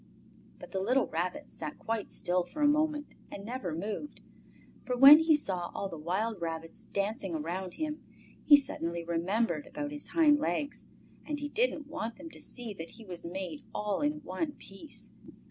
But the little Rabbit sat quite still for a moment and never moved. For when he saw all the wild rabbits dancing around him he suddenly remembered about his hind legs, and he didn't want them to see that he was made all in one piece.